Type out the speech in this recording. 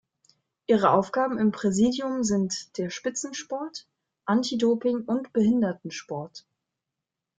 Ihre Aufgaben im Präsidium sind der Spitzensport, Anti-Doping und Behindertensport.